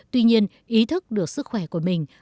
tuy nhiên ý thức được sức khỏe của mình